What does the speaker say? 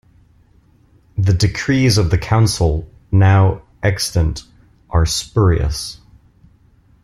The decrees of the council now extant are spurious.